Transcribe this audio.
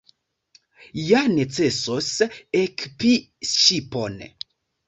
Ja necesos ekipi ŝipon.